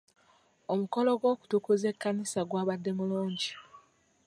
Omukolo gw'okutukuza ekkanisa gwabadde mulungi.